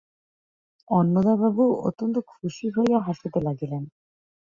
অন্নদাবাবু অত্যন্ত খুশি হইয়া হাসিতে লাগিলেন।